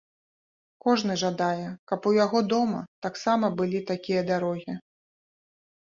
Кожны жадае, каб у яго дома таксама былі такія дарогі.